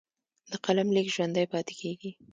د قلم لیک ژوندی پاتې کېږي.